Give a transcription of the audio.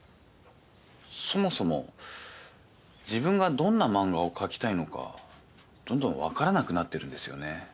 そもそも自分がどんな漫画をかきたいのかどんどん分からなくなってるんですよね。